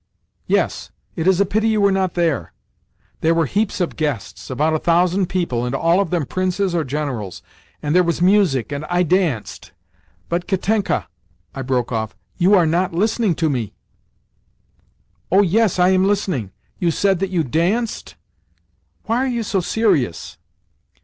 "Yes. It is a pity you were not there. There were heaps of guests—about a thousand people, and all of them princes or generals, and there was music, and I danced—But, Katenka" I broke off, "you are not listening to me?" "Oh yes, I am listening. You said that you danced—?" "Why are you so serious?"